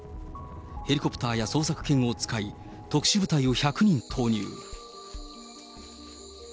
ヘリコプターや捜索犬を使い、特殊部隊を１００人投入。